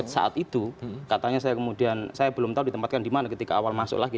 saat itu katanya saya kemudian saya belum tahu ditempatkan di mana ketika awal masuk lagi